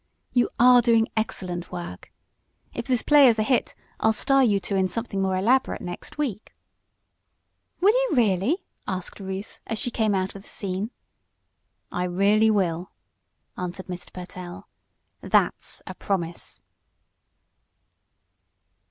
"You are doing excellent work. If this play is a hit I'll star you two in something more elaborate next week." "Will you, really?" asked Ruth, as she came out of the scene. "I really will," answered Mr. Pertell. "That's a promise!"